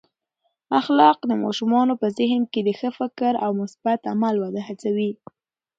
اخلاق د ماشومانو په ذهن کې د ښه فکر او مثبت عمل وده هڅوي.